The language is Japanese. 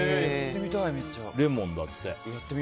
レモンだって。